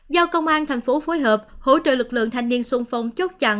do công an tp hcm phối hợp hỗ trợ lực lượng thanh niên xung phong chốt chặn